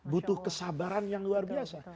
butuh kesabaran yang luar biasa